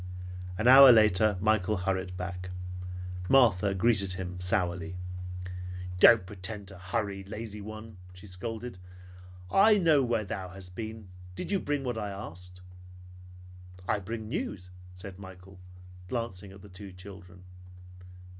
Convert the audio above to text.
An hour later Michael hurried back. Martha greeted him sourly. "Don't pretend to hurry, lazy one," she scolded. "I know where thou hast been. Did you bring what I asked?" "I bring news," said Michael, glancing at the two children.